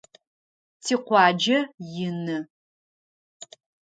Тикъуаджэ ины.